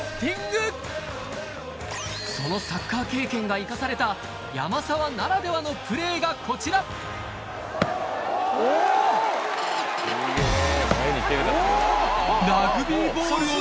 そのサッカー経験が生かされた山沢ならではのプレーがこちらラグビーボールを